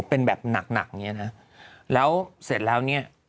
เป็นแบบหนักหนักอย่างนี้นะแล้วเสร็จแล้วเนี่ย